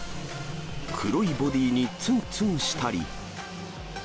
黒いボディーにつんつんしたり。